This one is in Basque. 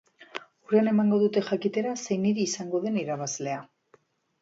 Urrian emango dute jakitera zein hiri izango den irabazlea.